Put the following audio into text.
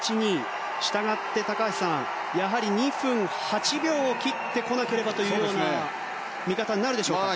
したがって、高橋さんやはり、２分８秒を切ってこなければという見方になるでしょうか。